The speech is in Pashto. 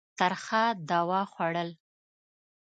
ترخه دوا خوړل.